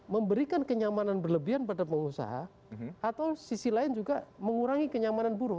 memberikan kenyamanan berlebihan pada pengusaha atau sisi lain juga mengurangi kenyamanan buruh